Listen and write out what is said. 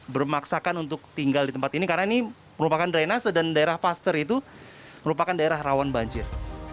bermaksakan untuk tinggal di tempat ini karena ini merupakan drainase dan daerah pasteur itu merupakan daerah rawan banjir